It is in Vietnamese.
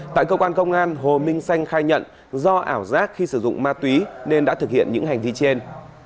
tại cơ quan công an hồ minh xanh khai nhận do ảo giác khi sử dụng ma túy nên đã thực hiện những hành vi trên